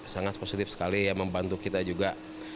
sangat positif sekali ya membantu kita juga